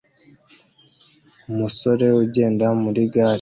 Umusore ugenda muri gare